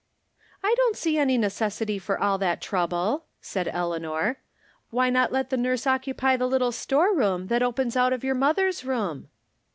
" I don't see any necessity for all that trouble," said Eleanor. " Why not let the nurse occupy the little store room that opens out of your mo ther's room